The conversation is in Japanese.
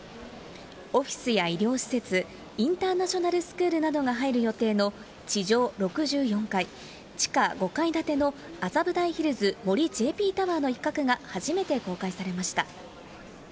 オフィスや医療施設、インターナショナルスクールなどが入る予定の地上６４階、地下５階建ての麻布台ヒルズ森ＪＰタワーの一角が初めて公開されました。